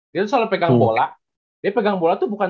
dia selalu pegang bola dia pegang bola tuh bukan